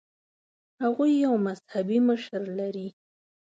هغوی یو مذهبي مشر لري.